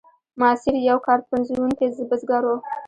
ماسیر یو کار پنځوونکی بزګر و.